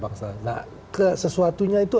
bangsa nah sesuatunya itu